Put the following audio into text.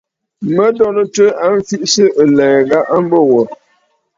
Mə̀ dòrɨ̀tə a mfiʼisə̂ ɨ̀lɛ̀ɛ̂ gha a mbo wò.